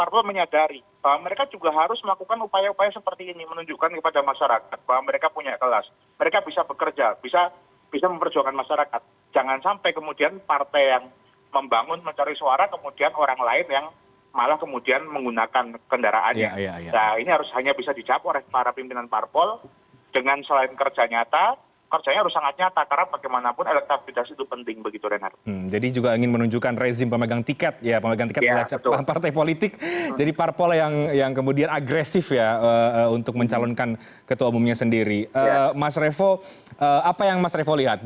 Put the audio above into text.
bagaimana perjuangan pdi perjuangan ini